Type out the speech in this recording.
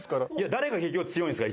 誰が結局強いんですか？